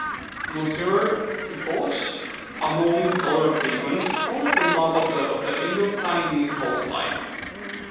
Monsieur Fichot, amongst other achievements, plotted the map of the Indo-Chinese coastline.